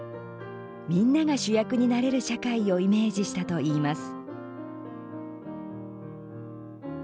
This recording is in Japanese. みんなが主役になれる社会をイメージしたといいます。